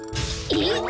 えっ？